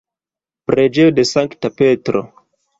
Preĝejo de Sankta Petro.